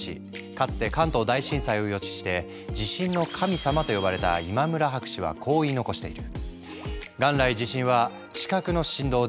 かつて関東大震災を予知して「地震の神様」と呼ばれた今村博士はこう言い残している。